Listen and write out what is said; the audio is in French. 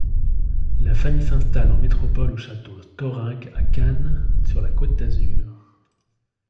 La famille s'installe en métropole au château Thorenc à Cannes sur la Côte d'Azur.